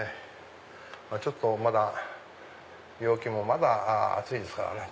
ちょっと陽気もまだ暑いですからね。